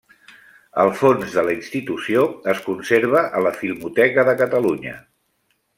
El fons de la institució es conserva a la Filmoteca de Catalunya.